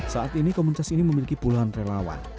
saat ini komunitas ini memiliki puluhan relawan